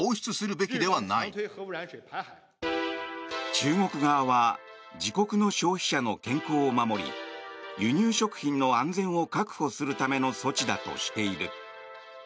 中国側は自国の消費者の健康を守り輸入食品の安全を確保するための措置だとしている。